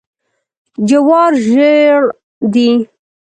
جوار ژیړ دي.